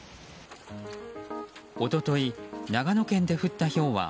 一昨日、長野県で降ったひょうは